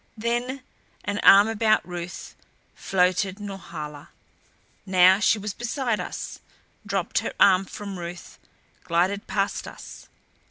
Then, an arm about Ruth, floated Norhala. Now she was beside us; dropped her arm from Ruth; glided past us.